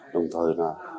đồng thời là